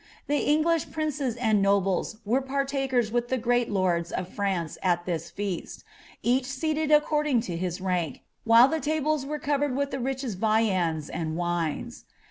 The English princes and nobles were partakers (vith the great lords of France al this feast, each sealed according to his rank, while the tables were covered with the richest viands and wines.